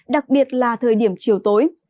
đặc biệt là thời điểm chiều tối